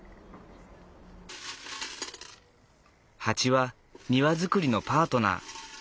ハチは庭造りのパートナー。